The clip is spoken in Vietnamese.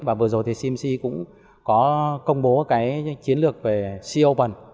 và vừa rồi thì cmc cũng có công bố cái chiến lược về c open